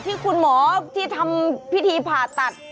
ที่คุณหมอที่ทำพิธีผ่าตัด